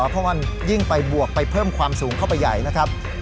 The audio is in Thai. เพราะมันยิ่งไปบวกไปเพิ่มความสูงเข้าไปใหญ่นะครับ